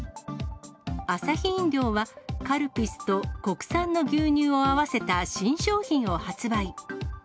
アサヒ飲料はカルピスと国産の牛乳を合わせた新商品を発売。